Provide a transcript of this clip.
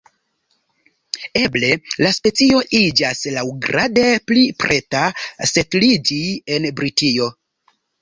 Eble la specio iĝas laŭgrade pli preta setliĝi en Britio.